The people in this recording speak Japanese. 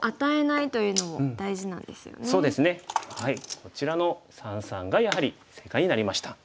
こちらの三々がやはり正解になりました。